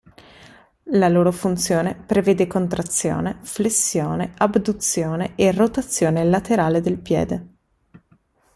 La loro funzione prevede contrazione, flessione, abduzione e rotazione laterale del piede.